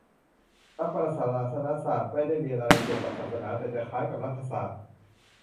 รัฐประศาสนศาสตร์ ไม่ได้เรียนอะไรเกี่ยวกับศาสนา แต่จะคล้ายกับรัฐศาสตร์